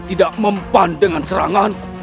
tidak mempan dengan serangan